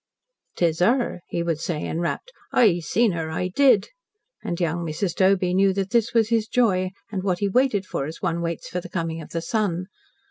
"'Tis 'urr," he would say, enrapt. "I seen 'urr I did." And young Mrs. Doby knew that this was his joy, and what he waited for as one waits for the coming of the sun.